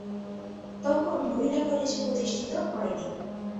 তখন মহিলা কলেজ প্রতিষ্ঠিত হয়নি।